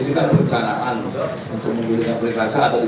sudah jelas bahwa rantai komando di tni itu jelas sekali